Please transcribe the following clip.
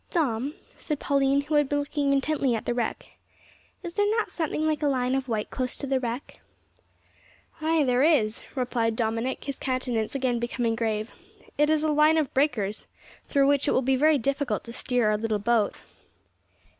"Dom," said Pauline, who had been looking intently at the wreck, "is there not something like a line of white close to the wreck?" "Ay, there is," replied Dominick, his countenance again becoming grave; "it is a line of breakers, through which it will be very difficult to steer our little boat."